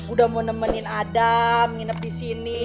udah mau nemenin adam nginep di sini